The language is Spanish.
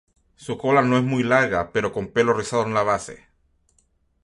Su cola no es muy larga, con pelo rizado en la base.